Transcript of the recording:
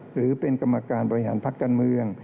หรือเป็นกรรมการบริหารพักการเมือง